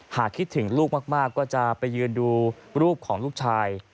หากคิดถึงลูกมากก็จะไปยืนดูรูปของลูกชาย